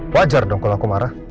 wajar dong kalau aku marah